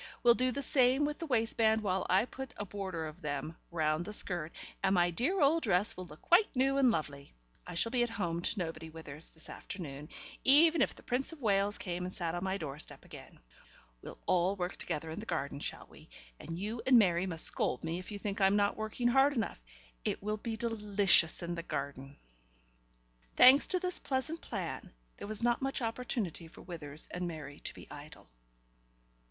will do the same with the waistband while I put a border of them round the skirt, and my dear old dress will look quite new and lovely. I shall be at home to nobody, Withers, this afternoon, even if the Prince of Wales came and sat on my doorstep again. We'll all work together in the garden, shall we, and you and Mary must scold me if you think I'm not working hard enough. It will be delicious in the garden." Thanks to this pleasant plan, there was not much opportunity for Withers and Mary to be idle.